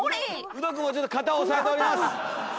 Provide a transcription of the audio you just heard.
ウド君もちょっと肩押さえております。